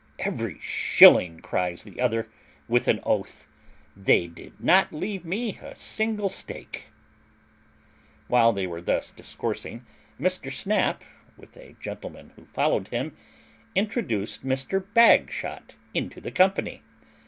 "Every shilling," cries the other, with an oath: "they did not leave me a single stake." While they were thus discoursing, Mr. Snap, with a gentleman who followed him, introduced Mr. Bagshot into the company.